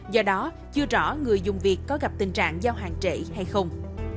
do đó chưa rõ người dùng việc có gặp tình trạng giao hàng trễ hay không